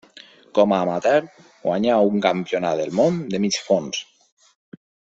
Com a amateur guanyà un campionat del món de mig fons.